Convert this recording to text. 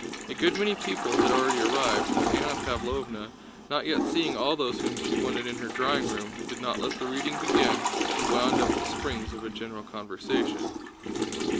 A good many people had already arrived, but Anna Pávlovna, not yet seeing all those whom she wanted in her drawing room, did not let the reading begin but wound up the springs of a general conversation.